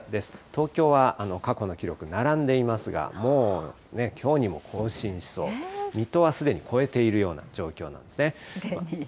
東京は過去の記録、並んでいますが、もうきょうにも更新しそう、水戸はすでに超えているような状況なんですね。